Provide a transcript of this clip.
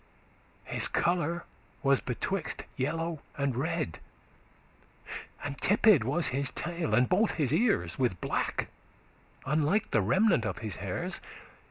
His colour was betwixt yellow and red; And tipped was his tail, and both his ears, With black, unlike the remnant of his hairs.